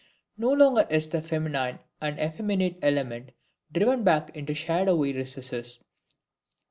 No longer is the feminine and effeminate element driven back into shadowy recesses.